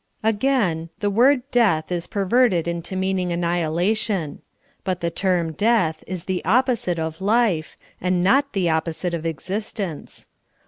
Again, the word " death" is perverted into mean ing annihilation. But the term death '' is the oppo site of ''life," and not the opposite of existence.